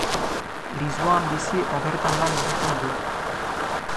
Lisboan bizi eta bertan lan egiten du.